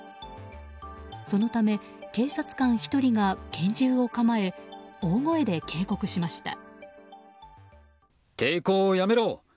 そのため警察官１人が拳銃を構え大声で警告しました。